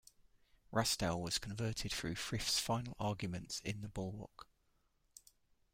Rastell was converted through Frith's final arguments in the Bulwark.